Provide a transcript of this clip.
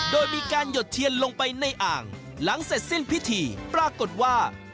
โดยมีการหยดเทียนลงไปในอ่างหลังเสร็จสิ้นพิธีปรากฏว่า